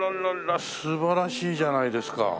素晴らしいじゃないですか。